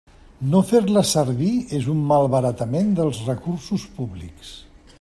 No fer-les servir és un malbaratament dels recursos públics.